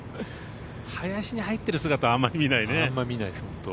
林に入ってる姿はあんまり見ないね。